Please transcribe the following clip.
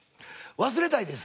忘れたいです。